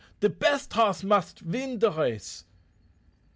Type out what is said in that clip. De best hoss must vin de race."